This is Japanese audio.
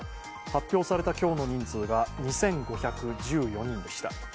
発表された今日の人数が２５１４人でした。